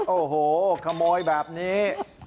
โอ้โหขโมยแบบนี้